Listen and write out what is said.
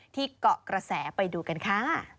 ที่เกาะกระแสไปดูกันค่ะ